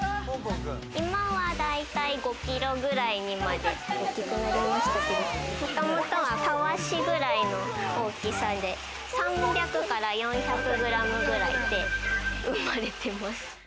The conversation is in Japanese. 今は大体５キロくらいにまで大きくなりましたけれども、もともとはたわしくらいの大きさで３００から４００ｇくらいで産まれてます。